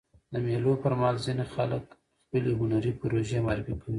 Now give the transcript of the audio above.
د مېلو پر مهال ځيني خلک خپلي هنري پروژې معرفي کوي.